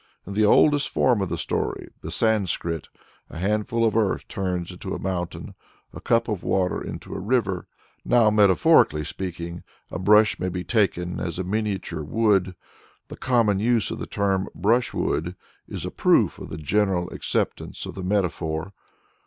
In the oldest form of the story, the Sanskrit, a handful of earth turns into a mountain, a cup of water into a river. Now, metaphorically speaking, a brush may be taken as a miniature wood; the common use of the term brushwood is a proof of the general acceptance of the metaphor.